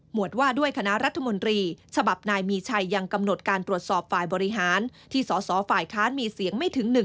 วดว่าด้วยคณะรัฐมนตรีฉบับนายมีชัยยังกำหนดการตรวจสอบฝ่ายบริหารที่สสฝ่ายค้านมีเสียงไม่ถึง๑